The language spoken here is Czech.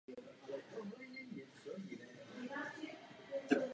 Podivné ani zneklidňující však nebylo chování Rady na dohodovacím jednání.